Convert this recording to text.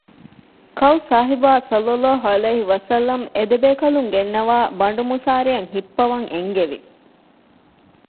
ކައުސާހިބާ ޞައްލަﷲ ޢަލައިހި ވަސައްލަމަ އެދެބޭކަލުން ގެންނަވައި ބަނޑުމުސާރަޔަށް ހިއްޕަވަން އެންގެވި